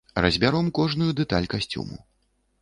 Разбяром кожную дэталь касцюму.